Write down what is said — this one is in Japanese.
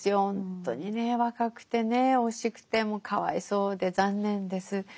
ほんとにね若くてね惜しくてもうかわいそうで残念です。